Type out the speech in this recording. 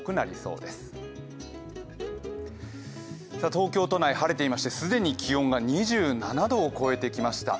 東京都内、晴れていまして既に気温が２７度を超えてきました。